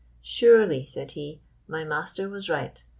"Surely," said he, "my master was right.